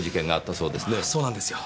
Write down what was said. そうなんですよ。